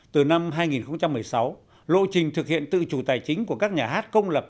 từ năm hai nghìn một mươi sáu lộ trình thực hiện tự chủ tài chính của các nhà hát công lập